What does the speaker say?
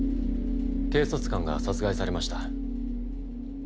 警察官が殺害されました。